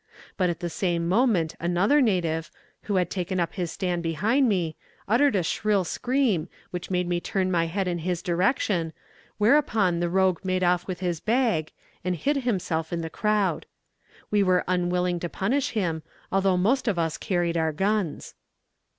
But at the same moment another native, who had taken up his stand behind me, uttered a shrill scream, which made me turn my head in his direction, whereupon the rogue made off with his bag, and hid himself in the crowd. We were unwilling to punish him, although most of us carried our guns.